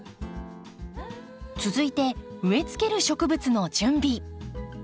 続いて植えつける植物の準備。